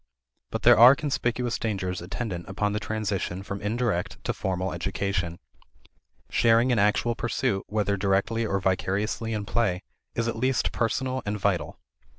But there are conspicuous dangers attendant upon the transition from indirect to formal education. Sharing in actual pursuit, whether directly or vicariously in play, is at least personal and vital.